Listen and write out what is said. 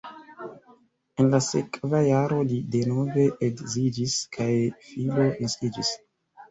En la sekva jaro li denove edziĝis kaj filo naskiĝis.